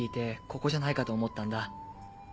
ここじゃないかと思ったんだ。